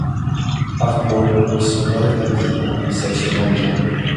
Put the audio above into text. Hardball lui sauva la vie en lui sectionnant les jambes.